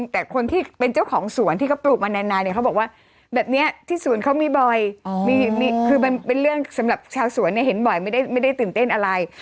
แต่คนที่เป็นเจ้าของสวนที่เขาปลูกมานานเนี่ยเขาบอกว่าแบบนี้ที่สวนเขามีบ่อยคือมันเป็นเรื่องสำหรับชาวสวนเนี่ยเห็นบ่อยไม่ได้ตื่นเต้นอะไร